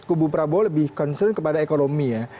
kubu prabowo lebih concern kepada ekonomi ya